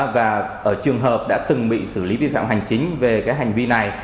và ở trường hợp đã từng bị xử lý vi phạm hành chính về cái hành vi này